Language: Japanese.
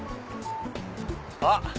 あっ！